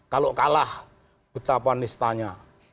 kalau kalah betapa nistanya